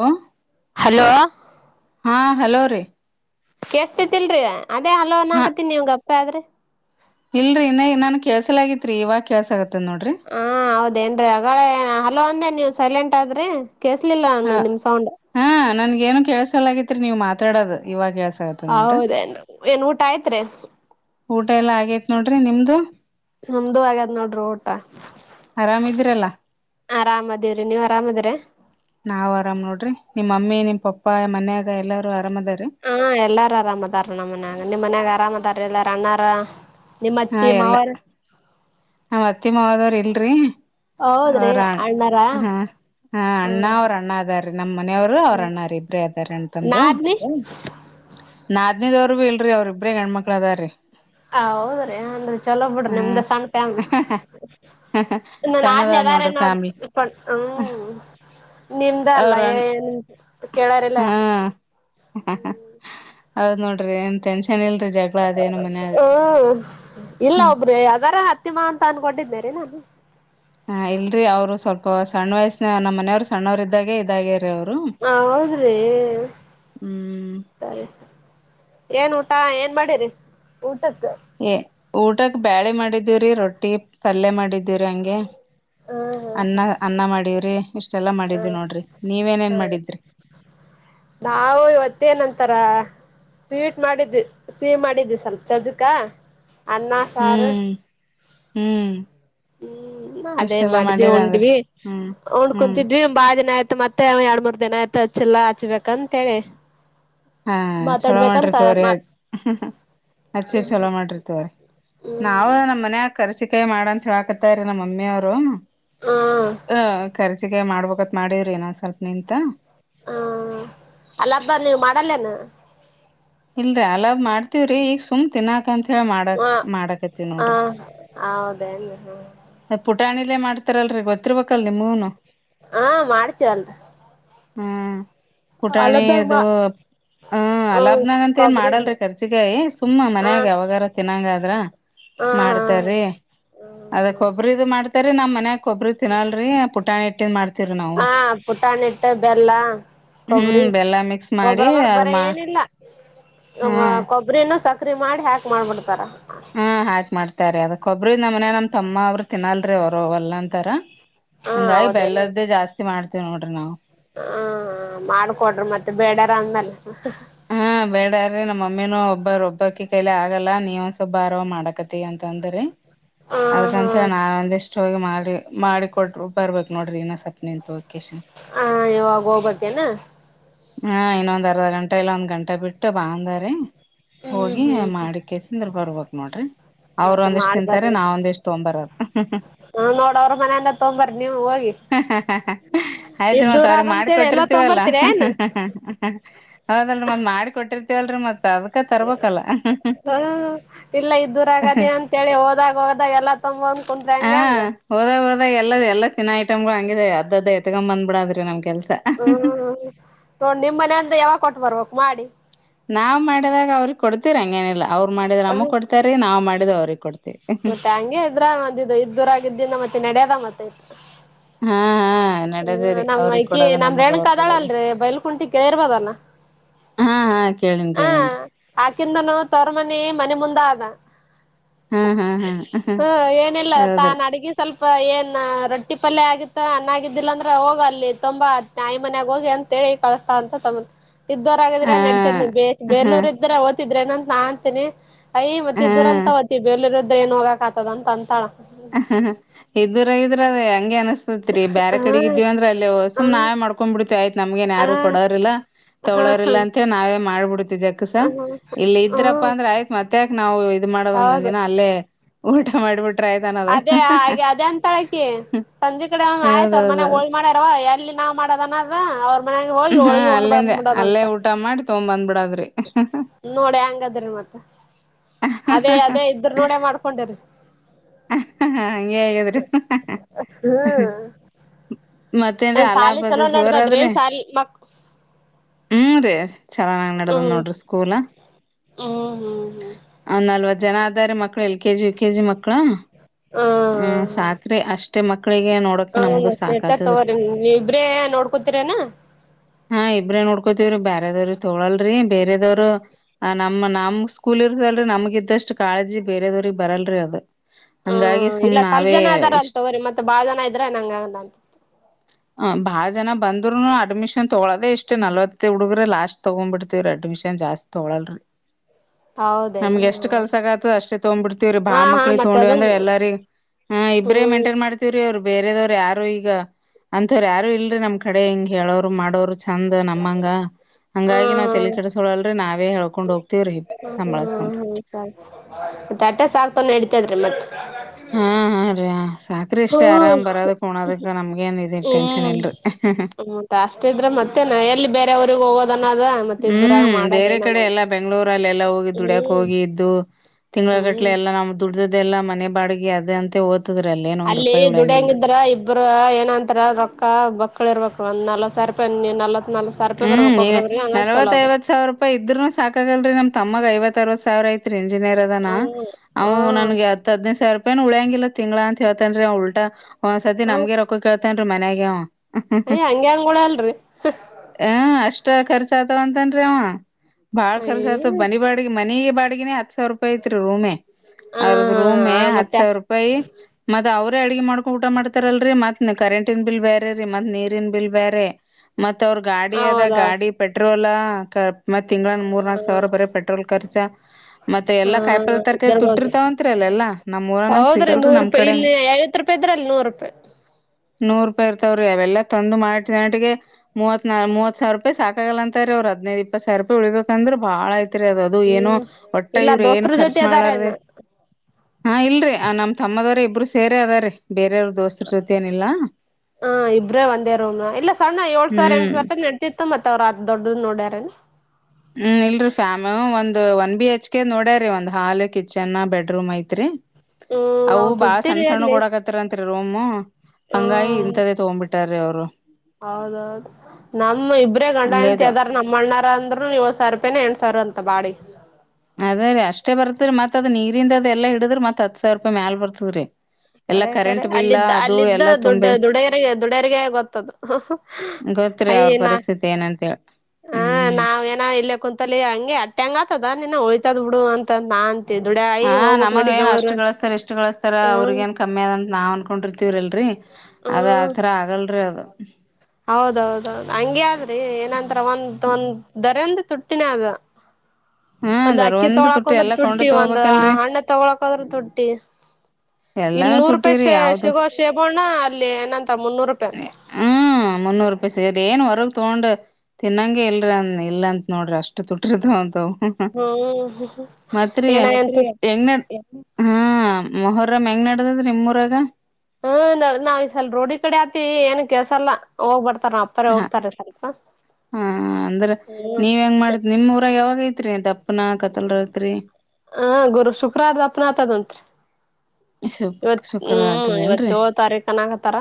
ಹಓ ಹಲೋ ಹಾ ಹಲೋ ರೀ ಕೇಸ್ತತಿಲ್ರರಿ ಅದೇ ಹಲೋನ್ ಹಾ ಆಕತಿನ್ಿ ನೀವ್ಗ ಅಪ್ಪ ಆದ್ರಿ ಇಲ್ರರಿ ಇನ್ನ ನಾನ್ ಕೆೇಸಲಾಗತ್ರಿ ಇವಾಗ ಕೆಲ್ಸಗತ್ತ ಹ ಹೌದೇನ್ರರಿ ಹಾಗಗಳೇ ಹಲೋ ಅಂದೇ ನೀ್ ಸೈಲೆಂಟ್ ಆದ್ರಿ ಕೇಸ್ಲಿಲ್ಲ ನ ನಿಮ್ ಸೌಂಡ್ ಏನು ಕೇಳ್ಸಲಗತ್ರಿ ನೀವು್ ಮಾತಾಡದು ಇವಾಗಸ ಆ ನೋಡ್ರಿ ಹೌದೇನ್ ಏನ್ ಊಟ ಆಯ್ತ್ರಿ ಊಟ ಎಲ್ಲಾ ಆಗೇತ್ ನೋಡ್ರಿ ನಿಮ್ದು ನಮ್ದು ಆಗಾದ್ ನೋಡ್ರಿ ಊಟ ಆರಾಮಿದೀರಲ್ಲ ಆರಾಮದಿವ್ರಿ ನೀವ್ ಆರಾಮದಿರಿ ನಾವ್ ಆರಾಮ್ ನೋಡ್ರಿ ನಿಮ್ಮ್ಮಿ ನಿಮ್ ಪಪ್ಪಾ ಮನ್ಯಾಗ ಎಲ್ಲಾರೂ ಆರಾಮ ಹಾ ಎಲ್ಲಾರು ಅರಾಮದಾರ ನಮ್ಮ ಮನ್ಯಾಗ ನಿಮ್ಮ್ ಮನ್ಯಾಗ ಆರಾಮದಾರ ಎಲ್ಲ ಅಣ್ಣಾರ ನಿಮ್ಮತ್ತೆ ಮಾವಾರ ನ ಅತ್ತಿಮವಾದವ್ರ ಇಲ್ರಿ ಹೌದ್ರಿ ಅವ್ರ ಅಣ್ಣಾರ ಹಾ ಹಾ ಅಣ್ಣ ಹ್ಮ್ ಅವ್ರ ಅಣ್ಣ ಅದಾರ ನಮ್ ಮನೆಯವರು ಅವ್ರ ಹ್ಮ್ ಅಣ್ಣಾರಿ ಇಬ್ರೇ ಅದಾರ ಅಂತಂಬ್ರ ನಾದ್ನಿ ನಾದ್ನೇದವ್ರು ಭಿ ಇಲ್ರರಿ ಅವ್ರರಿ ಇಬ್ರೇ ಗಣ್ಮಕ್ಳ ಅದ್ರೀ ಹ ಹೌದ್ರಿ ಅನ್ರಿ ಚಲೋ ಬಿಡ್ರಿಮ್ದ್ ಹ್ಮ ಸಣ್ಣಪ ನಾನು ಸಣ್ಣದ ನೋಡ್ರಿ ಆನಗಾರನ ಫ್ಯಾಮ್ಲಿ ಹ್ಮ್ ನಿಮ್ದ ಅವ್ರಣ್ಣ ಅಲ್ಲನ್ ಹಾ ಹೌದ್ ನೋಡ್ರಿ ಏನ್ ಟೆನ್ಷನ್ ಇಲ್ ಹ ಇಲ್ಲ ಹ್ಮ್ ಒಬ್ರ ಅದಾರ ಹತ್ತಿಮ ಅಂತ ಅನ್ಕೊಂಡಿದ್ದೇನೆ ನಾನು ಹ ಇಲ್ರರಿ ಅವ್ರು ಸ್ವಲ್ಪ ಸಣ್ಣ ವಯಸ್ಸನ ನಮ್ಮ ಮನೆಯವ್ ಸಣ್ಣವರು ಇದ್ದಾಗೆ ಇದಾಗ್ಯ ಹ ಹೌದ್ರಿ ಹ್ಮ್ ಸರಿ ಸರಿ ಏನ್ ಊಟ ಏನ್ ಮಾಡಿರಿ ಊಟಕ್ಕೆ ಏ ಊಟಕ್ ಬ್ಯಾಳೆ ಮಾಡಿದ್ದೀವ್ರಿ ರೊಟ್ಟಿ ಪಲ್ಯ ಮಾಡಿದ್ದೀವ್ರಿ ಹಂಗೆ ಹ್ಮ ಅನ್ನ ಅನ್ನ ಮಾಡವ್ರಿ ಇಷ್ಟೆಲ್ಲಾ ಹಾ ಮಾಡಿದವಿ ನೋಡ್ರಿ ನೀವೇನೇನ್ ಹಾ ಮಾಡಿದ್ರಿ ನಾವು ಇವತ್ತೇಏನಂತಾರ ಸ್ವೀಟ್ ಮಾಡಿದ್ದಿ ಸಿಹ್ ಮಾಡಿದ್ದಿ ಸ್ವಲ್ಪ ಚಜಕ ಅನ್ನ ಸಾಾರ ಹ್ಮ್ ಹ್ಮ್ ಹ್ಮ್ ಅದೇ ಇಷ್ಟೆಲ್ಲಾ ಮಾಡಿದ್ವಿ ಮಾಡಿರ ಅಂದ್ರ ಉಂಡ್ವಿ ಹ್ಮ್ ಉಂಡ್ ಹ್ಮ್ ಕುಂಂತಿದ್ವಿ ಒ್ ಬಾಳ ದಿನ ಆಯ್ತ ಮತ್ತೆ ಎರಡ್ ಮೂರ್ ದಿನ ಆಯ್ತು ಚೆಲ್ಲ ಹಚ್ಬೇಕಂತೇಳಿ ಹಾ ಚಲೋ ಮಾಡಿತವ್ರೀ ಅಚ್ಚಿ ಚಲೋ ಮಾಡಿತವ್ರೀ ಹ್ಮ್ ನಾವವು ನಮ್ಮ ಮನ ಕರ್ ಸಿ ಕೈ ಮಾಡಂ ಹೇಳಾಕತರಿ ನಮ್ಮ ಮಮ್ಮಿ ಅವರು ಹ್ಮ್ ಹ ಕರ್ ಮಾಡ್ಬತ್ ಮಾಡಿದ್ರಿ ನ ಸ್ವಲ್ಪ ನಿಂತ ಹಾ ಅಲ್ಲ ಹಬ್ಬ ನೀವು ಮಾಡಲ್ಲೇನ ಇಲ್ರರಿ ಅಲ ಮಾಡ್ತಿವ್ರಿ ಈಗ ಸುಮ್ ತಿನ್ನಾಕ ಅಂತ ಹೇಳಿ ಹ ಮಾಡಕ್ ಮಾಡಾಕತಿವವಿ ಹ ನೋಡ್ರಿ ಹೌದೇನ್ ಹ ಅದ್ ಪುಟಾಣಿಲ್ಲೇ ಮಾಡ್ತಾರಲ್ರಿ ಗೊತ್ತಿರ್ಬೇಕಲ್ ನಿಮೂನು ಹಾ ಮಾಡ್ತೇವಲ್ ಹ್ಮ್ ಪುಟಾಣಿ ಮಾ ಅದು ಹ್ಮ ಅಲಾಬ್ನಾಗ ಅಂತ ಏನ್ ಮಾಡಲ್ರಿ ಖರ್ಚಿಗಾಯಿ ಸುಮ್ಮ ಹಾ ಮನ್ಯಾಗ ಅವಾವಾಗಾರ ತಿನ್ನಂಗ ಹಾ ಹಾ ಹಾ ಮಾಡ್ತಾರಿ ಹ್ಮ ಅದು ಕೊಬ್ರಿ ಇದು ಮಾಡ್ತ ಇತ್ತರಿ ನಮ್ ಮನ್ಯಕ್ ಕೊಬ್ರಿ ತಿನ್ನಲ್ರಿ ಪುಟಾಣಿ ಇಟ್ಟನ್ ಮಾಡ್ತಿವ್ರ ನಾವು ಹಾ ಪುಟಾಣಿ ಹಿಟ್ಟು ಬೆಲ್ಲ ಕೊಬ್ಬರಿ ಹ್ಮ್ ಬೆಲ್ಲ ಮಿಕ್ಸ್ ಮಾಡಿ ಅದ್ಮ ಒ ಕೊಬ್ಬರಿನ ಸಕ್ರೆ ಮಾಡಿ ಹ್ಯಾಕ್ ಮಾಡ್ಬಿಡ್ತಾರ ಹ್ಮ ಹಾಕ್ ಮಾಡ್ತಾರೀ ಅದಕ್ಕೊಬ್ಬರು ಇದ ನಮ್ಮ ಮನ ನಮ್ ತಮ್ಮ ಅವರು ತಿನ್ನಲ್ರಿ ಅವರವಲ್ಲ ಅಂತಾರ ಹ ಹಂಗಾಗಿ ಹೌದೇನು ಬೆಲ್ಲದ್ದೇ ಜಾಸ್ತಿ ಮಾಡ್ತೇವ ನೋಡ್ರಿ ನಾವವು ಹ ಮಾಡ್ಕೊಡ್ರಿ ಮತ್ತೆ ಬೇಡಾರ ಅಂದಲೆ ಬೇಡಾರ್ರೀ ನಮ್ಮ ಮಮ್ಮಿನೂ ಒಬ್ಬರ ಒಬ್ಬಕಿ ಕೈಲಿ ಆಗಲ್ಲಾ ನೀವ ಒನ್ ಸೋಲ್ಪ ಬಾರವ ಮಾಡಕತಿ ಅಂತ ಅಂದ್ರರಿ ಹ ಅದ್ಕಂತ ಹೇಳ ಹಾ ನಾನ ಒಂದಿಷ್ಟು ಹೋಗಿ ಮಾಡ ಮಾಡಿ ಕೊಟ್ರು ಬರ್ಬೇಕು ನೋಡ್ರಿ ಇನ್ನ ಸಪ್ನಂತ ವಕೇಶನ್ ಹಾ ಯವಾಗ ಹೋಗ್ತ್ತೇನಾ ಹಾ ಇನ್ನೊಂದ್ ಅರ್ಧರ್ ಗಂಟೆ ಇಲ್ಲ ಒಂದ್ ಗಂಟೆ ಬಿಟ್ಟು ಬಾ ಅಂದಾರಿ ಹ್ಮ್ ಹೋಗಿ ಹ್ಮ್ ಮಾಡಿಕಸಂದ್ರ ಬರ್ಬಕ್ ನೋಡ್ರಿ ಅವರು ಮತ್ತ ಒಂದಿಷ್ಟ್ ತಿಂತಾರೆ ಮಾಡ್ಬಾರ್ರಿ ನಾವ ಒಂದಿಷ್ಟ್ ತಗ್ಂಬರದು ಹ ನೋಡ ಅವ್ರ ಮನೆಯಿಂದ ತೊಂಬರ್ ನೀವು ಹೋಗಿ ಹ ಹ ಹಾ ಆಯ್ತ್ರಿ ಇದ್ ಮತ್ ದೂರ ಅವ್ರಿಗೆ ಮಾಡಿ ಅದಂತೇಳಿ ಎಲ್ಲಾ ಕೊಟ್ಟಿರ್ತಿವಲ್ಲ ತೊಂಬರ್ತೀರ ಏನ್ ಹೌದಲ್ರಿ ಮತ್ ಮಾಡಿ ಕೊಟ್ಟಿರ್ತಿ ಕೇಳರಿ ಮತ್ತೆ ಹ್ಮ ಇಲ್ಲ ಇದ್ದದುರಗದೆ ಅಂತೇಳಿ ಹೋದಾಗ ಹೋದಾಗ ಎಲ್ಲ ಹಾ ಹೋದಾಗ ಹೋದಾಗ ಎಲ್ಲದ ಎಲ್ಲ [unintelligible] ಐಟಮ್ಗಳು ಹಂಗಿದೆ ಅದ ಎತ್ಗೊಂಡ ಬಂದ್ ಬಿಡ್ರಿ ನಮ್ ಕೆಲ್ಸ ಹ್ಮ್ ನೋ ನಿಮ್ ಮನ ಅಂದ ಯಾವಾಗ ಕೊಟ್ಟು ಬರ್ಬೇಕಕ್ ಮಾಡಿ ನಾವ್ ಮಾಡಿದಾಗ ಅವ್ರಿಗೆ ಕೊಡ್ತಿರಂಗೇನಿಲ್ಲ ಅವ್ರ ಮಾಡಿದ್ರ ನಮ ಕೊಡ್ತಾರೀ ನಾವವು ಮಾಡಿದ್ ಅವ್ರಿಗೆಗ್ ಕೊಡ್ತೇವಿ ಮತ್ತೆ ಹಂಗೆ ಇದ್ರ ಒಂದ ಇದು ಇದ್ದೂರಾಗ ಇದ್ದಿಂದ ಮತ್ತೆ ನಡೆಯದ ಮತ್ತೆು ನಡೆದೇ ರೀ ಅವ್ರಿಗೆ ಅಕಿ ಕೊಡೋದು ನಮ್ ನಮಗ ಅವ್ರ ರೇಣುಕಾ ಕೊಡೋದು ಅದಾಳಲ್ರಿ ಬೈಲಕುಂಟಿ ಕೇಳಿರ್ಬೋದಲ್ಲ. ಹಾ ಹಾ ಕೇಳೇನ್ ಕೇಳನ್ರಿ [unintelligible] ತರಮನಿ ಮನೆ ಮುಂದ ಆದ ಹಾ ಹಾ ಹಾ ಹ್ಮ ಏನಿಲ್ಲ ಹೌದ್ರಿ ತಾನ್ ಅಡಗ ಸ್ವಲ್ಪ ಏನ್ ರೊಟ್ಟಿ ಪಲ್ಯ ಆಗಿತ್ತ ಅನ್ನಾಗಿದ್ದಿಲ್ಲ ಅಂದ್ರೆ ಹೋಗ ಅಲ್ಲಿ ತುಂಬಾ ತಾಯಿ ಮನ್ಯಾಗ ಹೋಗಿ ಅಂತಿ ಕಳಸ್ತಾ ಅಂತ ಇದ್ದರ ಹಾ ಬ ಹಾ ಬೇಲೂರ್ ಇದ್ರೆ ಓದಿದ್ರೇನು ಏನಂತ ನ ಅಂತತೇನೆ ಐ ಮತ್ತೆ ಹಾ ದುರಂತ ಅಂತ ಓ ಬೇಲೂರು ಇದ್ರಏನ್ ಹೋಗಾಕ್ ಆತದ ಅಂತಳ ಹ ಇದರ ಇದ್ರ ಅದೇ ಹಂಗೆ ಅನತ ಬೇರೆ ಹ ಕಡೆಗ ಇದೀವಿ ಅಂದ್ರ ಅಲ್ಲಿ ಹ ಸುಮ್ನ ನಾವೇ ಮಾಡ್ಕೊಂಡ್ ಬಿಡ್ತಿವಿ ಆಯ್ತ ನಮಗ ನ್ ಯಾರು ಕೊಡೋರಿಲ್ಲ ಹ ಹ ತಗಳೋರ್ಲ್ಲ ಅಂತೇಳಿ ನಾವೇ ಮಾಡ್ಬಿಡ್ತಿವಿ ಜಕ್ಕಸ ಹ ಇಲ್ಲ ಹ ಇದ್ರಪ್ಪಾ ಅಂದ್ರೆ ಆಯ್ತ ಮತ್ತ್ಯಾಕಕ್ ನಾವು ಮಾಡದ ಒಂದೊಂದ ಹೌದು ದಿನ ಅಲ್ಲೇ ಊಟ ಮಾಡ್ಬಿಟ್ರೆ ಅದೇ ಹಾಗೆ ಅದೇ ಅಂತಳಕಿ ಸಂಜೆ ಕಡೆ ಒ ಆಯ್ತ ಅವ್ರ ಹೌದೌದೌದು ಮನೆಗ್ ಹೋಳಿ ಮಾಡ್ಯಾರವ ಎಲ್ಲಿ ನಾವ್ ಮಾಡದನ ಅದ ಅವ್ರ ಮನ್ಯಾಗ ಹೋಗಿ ಹಾ ಹೋಳಗಿ ಉಣಂಡ್ ಅಲ್ಲಿಂದ ಅಲ್ಲೇ ಬಂದ್ಬಿಡೋಣಂತ ಊಟ ಮಾಡಿ ತಗೊಂಡ್ ಬಂದ್ಬಿಡದ್ರಿ ನೋಡ ಹಂಗದ್ರಿ ಮತ್ತ ಅದೇ ಅದೇ ಇದ್ರ ನೋಡ ಮಾಡ್ಕೊಂಡಿರಿ ಹಂಗಗೆ ಹೇಗಾದ್ರಿ ಹ್ಮ್ ಮತ್ತೆ [unintelligible] ನನ್ ಅಲಾಬ ಸಾಲಿ ಅದು ಚಲೋ ನಡ್ದದ್ರಿ ಜೋರದ್ರಿ ಸಾಲಿ ಮಕ್ ಹ್ಮ್ [unintelligible] ನಡದ ಹ್ಮ್ ನೋಡ್ರಿ ಸ್ಕೂಲ ಹ್ಮ್ ಹ್ಮ್ ಆ ನಲ್ವತ್ ಜನ ಆದಾರೆ ಮಕ್ಳು L K G U K G ಮಕ್ಕಳು ಹ ಮಕ್ಳಿಗೆ ನೋಡಕ್ ಹಾ ನಮ್ಗ ಹ ಸ್ನೇಹತಾ ಸಾಕಾತದ್ರಿ ತಗ್ರ ನೀ ಇಬ್ರೇ ನೋಡ್ಕೊತಿರೇನ ಹ ಹಾ ಇಬ್ರೇನ್ ನೋಡ್ಕೋತವ್ರಿ ಬೇರೆದವ್ರ ತೊಳಲ್ರಿ ಬೇರೆದವ್ರು ನಮ್ಮ್ ನಮ್ ಸ್ಕೂಲ್ ಇದಲ್ರಿ, ನಮ್ಗ ಇದ್ದಷ್ಟು! ಕಾಳಜಿ ಬೇರದವ್ರಿಗೆ ಬರಲ್ರರಿ ಅದು? [inaudible] ಹ, ಹಂಗಾಗಿ ಸುಮ್ ಇಲ್ಲ, ಸ್ವಲ್ಪ ನಾವೇ ಜನ! ಅದಾರ ಇಷ್ಟ ಅಂತೆ ಅವರು, ಮತ್ತೆ ಬಾಳ ಜನ ಇದ್ರ ನಂಗೆ, ಅಂತ? [inaudible] ಹ, ಬಾಳ ಜನ ಬಂದ್ರುನು! ಅಡ್ಮಿಷನ್. [inaudible] ನಾನು, ತಗಳೋದೇ, ಇಷ್ಟು, ನಲವತ್ತು, ಹುಡುಗರು ಲಾಸ್ಟ್! ತಗೊಂಡು ಬಿಡ್ತೀವಿರಿ, ಅಡ್ಮಿಷನ್ ಜಾಸ್ ತೊಳಲ್ರರಿ? [inaudible] ಹ? [unintelligible] ನಮ್ಗೆ, ಎಷ್ಟ್ ಕಲ್ಸ! ಆಗ ಆತದ ಅಷ್ಟೇ ತೊಗೊಂಡ್ ಬಿಡ್ತಿವ್ರಿ, ಹಾ ಬಾಳ್ ಹಾ ಮಕ್ಳಗ್ ಮತ್ತ ತಗೊಂಡಿ ಅದನ್ ಅಂದ್ರ ಎಲ್ಲರಿ? [inaudible] ಹೂ, ಇಬ್ಬ್ರೇ ಹ್ಮ್ ಮೈಂಟೈನ್ ಮಾಡ್ತಿವ್ರಿ! [inaudible] ಬೇರೆಯವರು, ಯಾರು, ಈಗ, ಅಂತವರು ಯಾರು ಇಲ್ರಿ! ನಮ್ ಕಡೆ ಹಿಂಗ್ ಹೇಳೋ? [inaudible] ಅವರು ಮಾಡೋರು ಚಂದ್ ನಮ್ಮಂಗ? [inaudible] ಹ ಹಂಗಾಗಿ, ನಾವ್ ತಲಿ ಕೆಡಸಕಳಲ್ರಿ! ನಾವೇ ಹೇಳ್ಕೊಂಡ್, ಹೋಗ್ತವ್ರಿ, ಸಂಬಳ ಇಸಿಕೊಂಡು? [inaudible] ತಾಟೆ, ಸಾರು ತಂದಾರೆ, ನಡಿತೈತಿ ಮತ್ತೆ? ಹಾ [unintelligible] ಹಾ ರೀ ಸಾಕ್ರಿ ಹೂ. ಇಷ್ಟೇ ಆರಾಮ್ ಬರೋದಕ್ [unintelligible] ಉಣೋದಕ್ ನಮ್ಗೇನ್ ಇದ ಟೆನ್ಷನ್ ಹ್ಮ್, ಇಲ್ರಿ ಇವತ್ತು ಅಸ್ತು, ಇದಾರೆ, ನಾ, ಮತ್ಹೇಹೇಳಿ? [unintelligible] ಹ್ಮ್ ಬೇರೆ ಮಾಡೋದೇನ ಕಡೆ ನಾವ್. ಎಲ್ಲಾ! ಬೆಂಗಳೂರೆಲ್ಲ, ಹೋಗಿ, ದುಡಿಯೋಕೆ, ಹ್ಮ್ ಹೋಗಿದ್ದು. [inaudible] ತಿಂಗಳಗಟ್ಲೆ, ಹ್ಮ್ ಎಲ್ಲ ನಮ್ಮ್, ದುಡ್ಡಿದ್ದು, ಎಲ್ಲಾ ಮನೆ ಬಾಡಿಗೆ! ಆದಂತೆ, ಓದ್. [inaudible] ಅಲ್ಲಿ, ದುಡ್ಯಂಗಿದ್ರ, ಇಬ್ರ! ಏನೋ ಒಂಥರಾ, ರೊಕ್ಕ, ಬಾಕಲೂ, ಇರುಬೆಕ್ಕು? [unintelligible] ಒಂದ ನಲ್ವತ್ತು, ಸಾವಿರ, ರೂಪಾಯಿ. [unintelligible] ರೂಪಾಯಿ ಹ್ಮ್, ಬರ್ಬೇಕ ಒಬ್ರೊಬ್ರಿಗೆ ಹಂಗಂದ್ ನಲ್ವತ್ ಚಲೋ ಅದು ಐವತ್ ಸಾವಿರ ರೂಪಾಯಿ ಇದ್ದರೂ ಸಾಕಾಗಲ್ಲ, ನಮ್ ತಮ್ಮಗ ಐವತ್ತು, ಸಾವೂ. [inaudible] ಸರಿ ಆಯ್ತುರಿ, ಇಂಜಿನಿಯರ್ ಅದನಾ, ಹ್ಮ್ ಅವನು, ನನ್ಗೆ, ಹತ್ತು, ಹದಿನೈದು, ಸಾವಿರ, ರೂಪಾಯಿ. [inaudible] ಅಷ್ಟೇನಾ, ಉಳ್ಯಂಗಿಲ್ಲ ತಿಂಗಗಳ ಅಂತ ಹೇಳ್ತೇನ್ರಿ, ಉಲ್ಟಾ ಒಂದ್ಸರ್ತಿ ನಮಗಗೆ ರೊಕ್ಕೋಕ್ ಕೇಳ್ತೇನ್ರಿ, ಮನೆಗೆಅವಾ.. [inaudible] ಹೇ, ಹಂಗೇನು, ಉಳಿಯಲುರಿ. [inaudible] ಹ, ಅಷ್ಟ್ ಕರ್ಚು, ಆತವ ಅಂತನ್ರಿ, ಅವ ಬಾಳ ಖರ್ಚ, ಆತವ ಅಯ ಬನಿ ಬಾಡಿಗೆ ಮ? [inaudible] ನೀರಿನ ಬಾಡಿಗೆ, ಹತ್ತು ಸಾವರ ರೂಪಾಯಿ ಆಯುತ್ತಿರಿ, ರೂಮೆ? ಹ [inaudible] ಅವ್ರದ, ರೂಮೆ, ಹ ಹತ್ತು, ಮತ್ತೆ ಸಾವಿರ ರೂಪಾಯಿ ಮತ್ತ ಅವರು? [inaudible] ಅದೇ, ಅಡ್ಗೆ, ಮಾಡ್ಕೊ, ಊಟ ಮಾಡ್ತಾರಲ್ರರಿ ಮತ್, ಕರೆಂಟ್ ಇನ್ ಬಿಲ್, ಬೇರೆ ರೀ ಮತ್ ನೀರಿನ್, ಬಿಲ್ ಬೇರೆ ಮತ್? [inaudible] ಮತ್ತ, ಅವ್ರರು ಗಾಡಿ, ಅದ ಹೌದೌದು ಗಾಡಿ ಪೆಟ್ರೋಲ? [inaudible] ಮತ್ತ, ಹಿಂಗನ, ತಿಂಗಳ ಹಾ ಮೂರ್ ನಾಕಕ್ ಸಾವಿರ, ರೂಪಾಯಿ ಪೆಟ್ರೋಲ್ ಖರ್ಚ. [inaudible] ಮತ್ತೆ, ಹಾ ಎಲ್ಲಾ ಕಾಯಿಪಲ್ ಇದ್ರ ತರಕಾರಿ ಬಗ್ಗೆ ತುಟ್ಟಿರ್ತಾವಂರಿ, ಅಲ್ಲಿ, ಎಲ್ಲಾ ನಮ್ ಊರನಂಗ, ಸಿಗಲ್ರಿ, ನಮ್ ಕಡೆಂಗ? [inaudible] ಇದ್ರಲ್ಲಿ, ನೂರು ರೂಪಾಯಿ? [inaudible] ನೂರ್, ರೂಪಾಯಿ ಇರ್ತಾವ್ರಿ! ಅವೆಲ್ಲಾ ತಂದು, ಮಾಡುನಟ್ಟಿಗೆ. [inaudible] ಮೂವತ್, ನಲ್ ಮೂವತ್ ಸಾವಿರ ರೂಪಾಯಿ ಸಾಕಾಗಲ್ಲ ಅಂತಾರೆ, ಅವ್ರ ಹದಿನೈದುಪ್ಪತ್ ಸಾವಿರೂಪಾಯಿ, ಉಳಿಬೇಕು ಅಂದ್ರೆಬಲ್ಲಾ. [inaudible] ರಿ ಅದು ಅದು ಏನೋ ಹ್ಮ್ ಒಟ್ಟೆ ಇಲ್ಲ ಇವ್ರ ಏನು ದೋಸ್ತ್ರ ಖರ್ಚು ಜೊತೆ ಮಾಡರಿ? ಅದಾರೇನ [inaudible] ಹಾ, ಇಲ್ರರಿ, ಆ ನಮ್ ತಮ್ಮದವ್ರ! ಇಬ್ರು ಸೇರೆ ಅದಾರಿ, ಬೇರೆಯವರು? [inaudible] ಹ, ಇಬ್ರ, ಒಂದೇರೂಮ್, ಇಲ್ಲ ಸಣ್ಣ ಏಳ್. [inaudible] ಸರ್, ಇನು, ಹ್ಮ್ ಸ್ವಲ್ಪ ನಡತಿತ್ತು! ಮತ್ ಅವರು ಅ ದೊಡ್ಡದು, ನೋಡಾರ? [inaudible] ಹ್ಮ್, ಇಲ್ರರಿ ಫ್ಯಾಮು, ಒಂದ್ ಒನ್ ಬಿ ಹೆಚ್ ಕೆ ನೋಡ್ಯರಿ! ಒಂದು ಹಾಲ್, ಕಿಚನ್, ಬೆಡ್ರೂಮ್ ಐತ್ರಿ! [inaudible] ಹ್ಮ್ ಅವು, ಅವ್ ಬಾಳ, ಸಣ್ಣ, ತುಟ್ಟಿರಿ ಸಣ್ಣ, ಅಲ್ಲಿ ಕೊಡಾಕತ್ತರ, ಅಂತರಿ? [inaudible] ರೂಮು ಅಂಗಾಗಿ ಹ್ಮ್ ಇಂತಹ ಬಿಟ್ಟವ್ರೆ ಅವ್ರು? [inaudible] ಹೌದೌದು, ನಮ ಇಬ್ರೇ ಗಂಡ ಹಂಗದು ಅದರೆ, ನಮ್ಮಣ್ಣ. [inaudible] ಅಂದ್ರುೂ, ಏಳು, ಸಾವಿರಾ ರೂಪಾಯಿ, ಎಂಟು, ಸಾವರ ಅಂತ, ಬಾಡಿಗೆ? [inaudible] ಅದೇ, ರೀ, ಅಷ್ಟೇ! ಬರ್ತ್ರಿ, ಮತ್ ಅದ್ ನೀರಿಂದದ್ಲ್ಲ! ಹಿಡಿದ್ರ ಮತ್ ಹತ್ ಸಾವಿರ ರೂಪಾಯಿ, ಮ್ಯಾಲ ಬರ್ತದ್ರೀ? [inaudible] ಕರೆ, ಕರೆ, ಅಲ್ಲಿದ್ದ ಅಲ್ಲಿದ್ದ ದುಡ್ಡ ತುಂಬಿ ದುಡಿಯರಿಗೆ ದುಡಿಯರಿಗೆ, ಗೊತ್ತದು, ಹೂಹ. [unintelligible] ಗೊತ್ತರಿ, ಅವ್ರ ಪರಿಸ್ಥಿತಿ ಏನಂತೇಳಿ? [inaudible] ಹ, ಹ್ಮ್ ನಾವ್ ಏನ ಇಲ್ಲ! ಕುಂತಲಿ ಹಂಗೆ ಅಟ್ಟೆಂಗ ಆತದ, ನಿನ್ನ ಉಳಿತದ್, ಬಿಡು ಅಂತ ನಾನ್? [inaudible] ಹ, ನಮಗ, ಏನ್ ಅಷ್ಟು! ಕಳಿಸ್ತಾರೆ, ಇಷ್ಟು ಕಳಿಸ್ತಾರೆ, ಹ್ಮ್ ಅವ್ರಿಗೆ, ಏನ್? [inaudible] ಕಮ್ಮಿ, ಅದಂತ ನಾವ್! ಅನ್ಕೊಂಡಿರ್ತಿವ್ರಲ್ರರಿ ಅದ್, ಆತರ ಆಗಲ್ರರಿ ಅದು? [inaudible] ಹೌದೌದೌದು, ಹಂಗೆ, ಆದ್ರಿ, ಏನ. [inaudible] ಆತರ ಒಂದೊಂದು, ದೊರೆಂದು, ತುಟ್ಟಿನೇ ಅದು? [inaudible] ಒಂದ್, ಹ್ಮದರ ಅಕ್ಕಿ ಒಂದು ತುಟ್ಟಿ ತೊಗಳಕಂದ್ರ! ಎಲ್ಲಾ ಕೊಂಡೆ ತೊಟ್ಟಿ ಒಂದ ತಗೋಬೇಕಲ್ರರಿ ಹಣ್ಣ ತಗೊಳಕದ್ರರು, ತುಟ್ಟಿ. [inaudible] ಇಲ್ಲಿ, ಎಲ್ಲಾನು ನೂರು ರೂಪಾಯಿ! ತುಟ್ಟಿರಿ ಸೈ, ಯಾವ್ದು ಸಿಗೋ, ಹಣ್ಣು ನಾ, ಅಲ್ಲಿ, ನನ್ ತಮ್ಮ, ಮುನ್ನೂರು ರೂಪಾಯಿ ಅಂತನೆ? ಹ್ಮ್ [unintelligible] ಮುನ್ನೂರು ಸೇರಿ ಏನು ವರ ತೊಂಡ್ ತಿನ್ನಂಗಗೆ ಇಲ್ರ ಅ ಇಲ್ಲ ಅಂತತ್ ನೋಡ್ರಿ ಅಷ್ಟ್ ತುಟ್ರದ ಅಂತವು ಹ ಹ ಹ್ಮ್ ಮತ್ರಿ ಏನ ಎಂತ ಹೆಂಗನ ಹಾ ಮೊಹರ ಹೆಂಗ್ ನಡದದ ನಿಮ್ಮೂರಾಗ ಹ್ಮ ನ ನಾವ್ ಸಲ್ ರೋಡಿ ಕಡೆ ಆತಿ ಏನ್ ಕೆಲಸಲ್ಲಾ ಹೋಗ್ ಬರ್ತ ಹಾ ಹಾ ಅಂದ್ರೆ ಹ್ಮ್ ನೀವ ಹೆಂಗ ಮಾಡಿದ ನಿಮ್ಮ್ ಊರಾಗ ಯಾವಾಗೈ ತ್ರಿ ದಪ್ಪನ ಕತ್ತಲ್ರತ್ರಿ ಹ ಗುರು ಶುಕ್ರವಾರ ದ ಅಪ್ನಾಥದಂತ್ರಿ ಶು ಇವತ್ ಶುಕ್ರವಾರ ಹ್ಮ್ ಆತದೇನ್ರರಿ ಇವತ್ತೋಳ್ ತಾರೀಕು ಕನಾಗತ್ತಾರ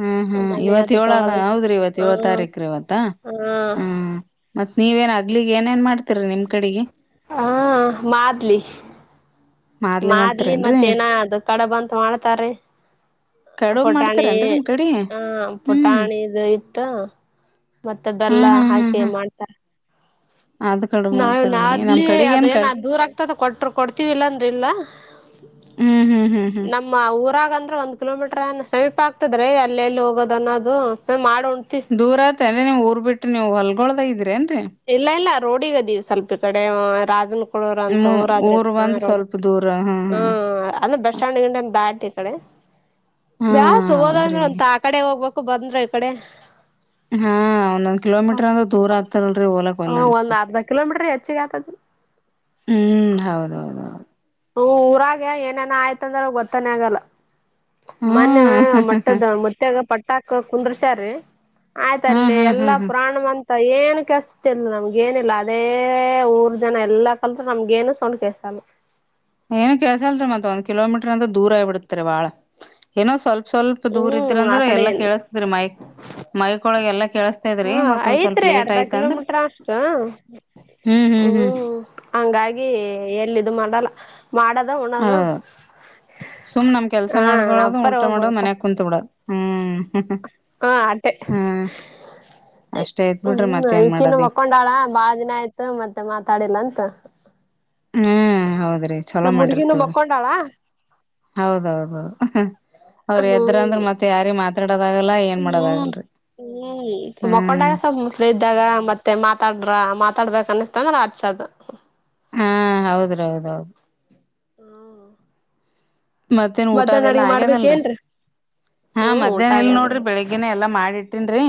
ಹ್ಮ್ ಹ್ಮ್ ಇವತ್ ಏಳ ಹೌದ್ರಿ ಇವತ್ ಏಳ್ ಹ್ಮ ತಾರೀಖ್ರ ಇವತ್ತಾ ಹ್ಮ್ ಮತ್ತ ನೀವೇಏ ಅಗ್ಲಿ ಏನ್ ಮಾಡ್ತೀರಿ ನಿಮಗೆ ಹಾ ಮಾಡದ್ಲಿ ಮಾದ್ಲಿ ಮಾಡ್ಲಿ ಮಾಡ್ತೀರೇನ್ರರಿ ಮತ್ತ ಏನ ಅದು ಕಡಬಂತ ಮಾಡ್ತಾರ ಕಡುಬ್ ಪುಟಾಣಿ ಮಾಡ್ತಾರೇನ್ರಿ ನಿಮ್ ಕಡಿ ಹ ಹ್ಮ್ ಪುಟಾಣಿದು ಇಟ್ಟು ಮತ್ತೆ ಬೆಲ್ಲ ಹ್ಮ್ ಹ್ಮ್ ಹ್ಮ್ ಹಾಕಿ ಹ್ಮ್ ಮಾಡ್ತಾರ ಅದ್ ಕಡುಬ್ ನಾವನ್ ಅ ಮಾಡ್ತಾರೀ ನಮ್ ಆದ್ಲಿ ಕಡೆಗ್ ಅದ ಏನ್ ಕಡ್ ದೂರ ಆಗ್ತದ ಕೊಟ್ರ ಕೊಡ್ತಿವಿ ಇಲ್ಲಾಂದ್ರ ಇಲ್ಲ ಹ್ಮ್ ಹ್ಮ್ ಹ್ಮ್ ಹ್ಮ್ ನಮ್ಮ ಊರಾಗ ಅಂದ್ರೆ ಒಂದ ಕಿಲೋಮೀಟರ್ ಏ ಸಮೀಪ ಆಗ್ತದ ರೀ ಅಲ್ಲಿ ಎಲ್ಲಿ ಹೋಗೋದ ಅನ್ನೋದು ಮಾಡ ದೂರ ಆತ ಅಂದ ನೀವ್ ಊರ್ ಬಿಟ್ರಿ ನೀವು ಹೊಲ್ಗೊಳದ ಇದ್ರೇನ್ ಇಲ್ಲ ಇಲ್ಲ ರೋಡಿಗದೀ ಸ್ವಲ್ಪ ಕಡೆ ರಾಜನ ಮಳೋರ ನಿಮ್ ಅಂತ ಊರ ಆದ್ರೆ ಊರ್ ಹ ಬಂದ್ ರೋಡ್ ಸ್ವಲ್ಪ ದೂರ ಹಾ ಹಾ ಹ್ಮ್ ಅಂದ ಬೆಸಣ ಗಂಟೆ ದಾಡ್ತಿ ಈ ಕಡೆ ಹಾ ಬ್ಯಸ್ ಹೋದಂದ್ರ ಹೌದ್ರಿ ಅಂತ ಆ ಕಡೆ ಹೋಗ್ಬೇಕು ಬಂದ್ರ ಈ ಕಡೆ ಹಾ ಒಂದೊಂದ್ ಕಿಲೋಮೀಟರ್ ಅಂದ್ರೆ ದೂರ ಆತಲ್ರರಿ ಹಲಕ್ಲ್ಲ ಹ ಅನ್ಸ್ತ ಒಂದ್ ಅರ್ಧ ಕಿಲೋಮೀಟರ್ ಹೆಚ್ಚಿಗೆ ಆತದ ಹ್ಮ್ ಹೌದೌದ ಹೌದು ಹ ಊರಾಗೆ ಏನೇನ ಆಯ್ತಂದ್ರ ಗೊತ್ತಾನೆ ಆಗಲ್ಲ ಹಾ ಮೊನೆ ಮಟ್ಟದ ಮತ್ಯಾಗ ಪಟ್ಟ ಹಾಕ ಕುಂದ್ರಷಾರೀ ಹಾ ಆಯ್ತಲ್ಲಿ ಹಾ ಹಾ ಎಲ್ಲಾ ಹಾ ಪುಾಣ ಮ ಏನು ಕೆಸತಿಲ್ ನಮ್ಗ ಏನಿಲ್ಲ ಅದೇ ಊರ್ ಜನ ಎಲ್ಲಾ ಕಲ್ ನಮ್ಗೇಏನು ಸೌಂಡ್ ಕೆಸ ಹ ಏನ ಕೆಲ್ಸ ಅಲ್ರಿ ಮತ್ತತ್ಂದ ಕಿಲೋಮೀಟರ್ ಅಂದ ದೂರ ಬಿಡತರಿ ಬಾಳ ಏನೋ ಸ್ವಲ್ಪ ಸ್ವಲ್ಪ ದೂರ ಇದ್ರ ಹ್ಮ್ ಆ ಅಂದ್ರೆ ಎಲ್ಲ ಕಡೆ ಕೇಳಸ್ತಿದ್ರರಿ ಮೈ ಮೈಕ ಒಳಗೆ ಎಲ್ಲ ಕೆೇಳಸ್ತಾದ್ರಿ ಹಾ ಮತ್ತೊಂದ್ ಸ್ವಲ್ಪ ಐತ್ರಿ ಲೇಟ್ ಅರ್ಧ ಆಯ್ತ ಅಂದ್ರ ಕಿಲೋಮೀಟರ್ ಅಷ್ಟ ಹ್ಮ್ ಹ್ಮ್ ಹ್ಮ್ ಹಂಗಾಗಿ ಎಲ್ಲಿದ ಮಾಡಲ್ಲ ಮಾಡದ ಉಣದು ಹೌದು ಸುಮ್ ನಮ್ ಕೆಲ್ಸ ಮಾಡ್ಕೊಳೋದು ಉಊಟ ಹೋಗ್ ಮಾಡೋದು ಬರ್ತಾರ ಮನ್ಯಾಗ ಕುೂಂತತ್ ಬಿಡ್ ಹ್ಮ್ ಹಾ ಅತ್ತೆ ಹ್ಮ್ ಅಷ್ಟೇ ಐತ್ ಬಿಡ್ರಿ ಹ್ಮ ಮತ್ತೇನ್ ಈಕಿನ್ನು ಮಾಡದಿ ಒಕೊಂಡಾಳ ಬಾಳ ದಿನ ಆಯ್ತು ಮತ್ತೆ ಮಾತಾಡಿಲ್ಲ ಅಂತ ಹ್ಮ್ ಹೌದ್ರಿ ಚಲೋ ನಮ್ ಹುಡ್ಗಿನು ಮಾಡಿರ್ತವ್ರಿ ಮಕ್ಕೊಂಡಾಳ ಹೌದೌದೌದು ಅವ್ರ ಎದ್ರ ಹ್ಮ್ ಅಂದ್ರ ಮತ್ ಯಾರಿ ಮಾತಾಡೋದಾಗಲ್ಲ ಏನ್ ಹ್ಮ್ ಮಾಡೋದಗಲ್ರರಿ ಹ್ಮ್ ಮಕೊಂಡಾಗ ಸ್ವಲ್ ಮೊಸಳ ಇದ್ದಾಗ ಮತ್ತೆ ಮಾತಾಡ್ರ ತಡ್ಬೇಕಕ್ ಅನ್ನಿಸ್ತಂದ್ರೆ ಆಚದು ಹಾ ಹೌದ್ರೌದದು ಹಾ ಮತ್ತೇನ್ ಊಟ ಅದೆ ಎಲ್ಲಾ ಆಗ್ಯದಲ್ರರಿ ಮಾಡ್ಬೇಕೇನ್ರೀ ಹಾ ಹ್ಮ್ ಊಟ ಮಧ್ಯಾಹ್ನ ಇಲ್ ಆಗ್ಯಾದ್ರಿ ನೋಡ್ರಿ ಬೆಳಗ್ಗಿನ ಎಲ್ಲಾ ಮಾಡಿ ಇಟ್ಟನ್ರಿ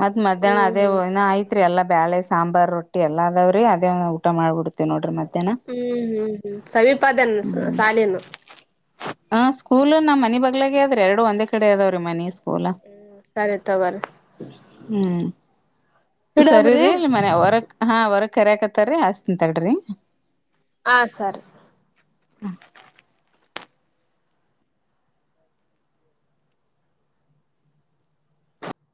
ಮತ್ ಮಧ್ಯಾಹ್ನ ಹ್ಮ್ ಅದೇ ಹ್ಮ್ ಇಏ ಆಯತ್ರಿ ಎಲ್ಲಾ ಬೇಳೆ ಸಾಂಬಾರ್ ರೊಟ್ಟಿ ಎಲ್ಲ ಅದಾವ್ರಿ ಅದೇ ಊಟ ಮಾಡ್ಬಿಡ್ತೇವಿ ನೋಡ್ರಿ ಮತ್ತೆ ಹ್ಮ್ ಹ್ಮ್ ಹ್ಮ್ ಸಮೀಪದನ್ ಹ್ಮ್ ಸಾಲನು ಹ ಸ್ಕೂಲ್ ನಾ್ ಮನಿ ಬಗ್ಲಾಗ ಆದ್ರೆ ಎರಡು ಒಂದೇ ಕಡೆ ಅದಾವ್ರೀ ಮನಿ ಹಲ ಹ್ಮ್ ಸರಿ ತಗೋರಿ ಹ್ಮ್ ಇಡಮ್ರಿ ಸರಿರಿ ಇಲ್ ಮನೆ ಹೊರಕ್ ಹಾ ಹೊರಕ್ ಕರಯಕತ್ತರಿೀ ಅಸ್ ಅಂತ್ರಿ ಹ ಸರಿ ಹ್ಮ